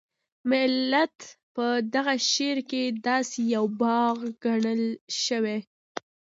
ملت په دغه شعر کې داسې یو باغ ګڼل شوی.